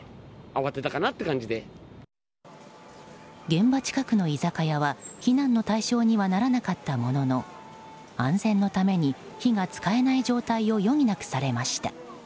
現場近くの居酒屋は避難の対象にはならなかったものの安全のために火が使えない状態を余儀なくされました。